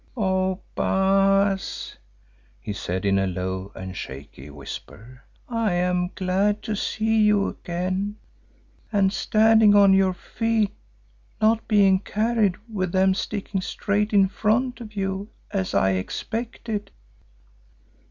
"Oh, Baas," he said in a low and shaky whisper, "I am glad to see you again, and standing on your feet, not being carried with them sticking straight in front of you as I expected."